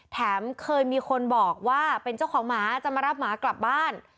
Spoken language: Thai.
แถมเคยมีคนบอกว่าเป็นเจ้าของหมาจะมารับหมากลับบ้าน